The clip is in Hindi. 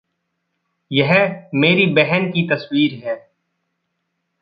यह मेरी बहन की तस्वीर है।